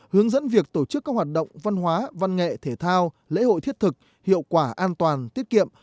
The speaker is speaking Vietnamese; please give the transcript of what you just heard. hướng dẫn việc tổ chức các hoạt động văn hóa văn nghệ thể thao lễ hội thiết thực hiệu quả an toàn tiết kiệm